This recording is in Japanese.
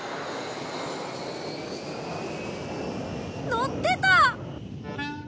乗ってた！